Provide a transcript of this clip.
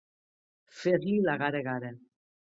Fer-li la gara-gara.